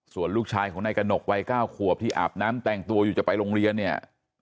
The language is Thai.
ส่วนลูกชายของนายกระหนกวัย๙ขวบที่อาบน้ำแต่งตัวอยู่จะไปโรงเรียนเนี่ย